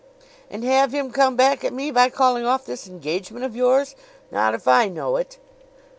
"And have him come back at me by calling off this engagement of yours? Not if I know it!